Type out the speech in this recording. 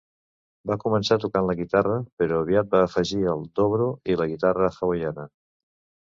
Va començar tocant la guitarra, però aviat va afegir el dobro i la guitarra hawaiana.